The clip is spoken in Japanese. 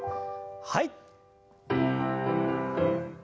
はい。